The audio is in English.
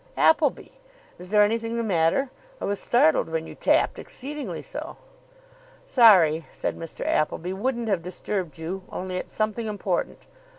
"Appleby! Is there anything the matter? I was startled when you tapped. Exceedingly so." "Sorry," said Mr. Appleby. "Wouldn't have disturbed you, only it's something important.